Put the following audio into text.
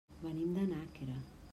Venim de Nàquera.